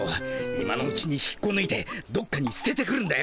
今のうちに引っこぬいてどっかにすててくるんだよ。